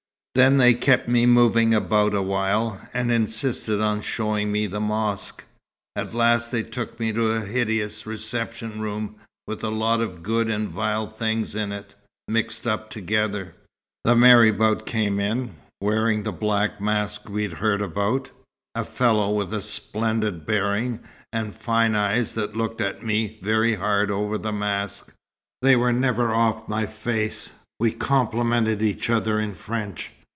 Then they kept me moving about a while, and insisted on showing me the mosque. At last they took me to a hideous reception room, with a lot of good and vile things in it, mixed up together. The marabout came in, wearing the black mask we'd heard about a fellow with a splendid bearing, and fine eyes that looked at me very hard over the mask. They were never off my face. We complimented each other in French.